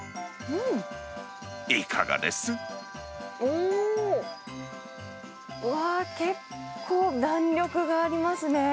うーん！わー、結構弾力がありますね。